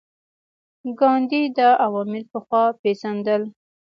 ګاندي دا عوامل پخوا پېژندل.